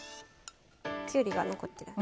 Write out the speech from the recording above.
きゅうりが残ってる。